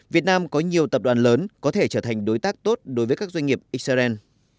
việt nam có nhiều tập đoàn lớn có thể trở thành đối tác tốt đối với các doanh nghiệp israel